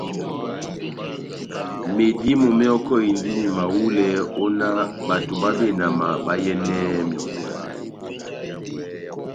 Medímo mehɔkɔhindini mahulɛ ó nah bato bá benama bayɛ́nɛni myɔ́.